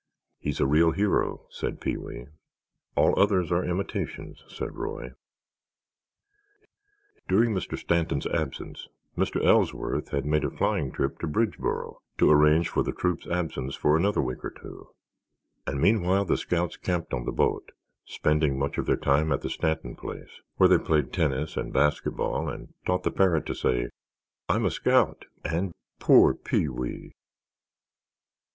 "He's a real hero," said Pee wee. "All others are imitations," agreed Roy. During Mr. Stanton's absence, Mr. Ellsworth had made a flying trip to Bridgeboro to arrange for the troop's absence for another week or two, and meanwhile the scouts camped on the boat, spending much of their time at the Stanton place, where they played tennis and basket ball and taught the parrot to say "I'm a scout," and "Poor Pee wee."